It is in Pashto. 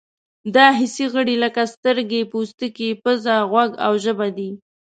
دا حسي غړي لکه سترګې، پوستکی، پزه، غوږ او ژبه دي.